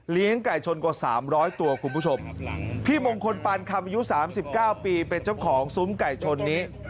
ไก่ชนกว่า๓๐๐ตัวคุณผู้ชมพี่มงคลปานคำอายุ๓๙ปีเป็นเจ้าของซุ้มไก่ชนนี้